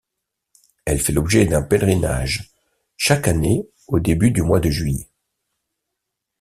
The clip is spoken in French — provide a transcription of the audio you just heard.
Elle fait l'objet d'un pèlerinage, chaque année au début du mois de juillet.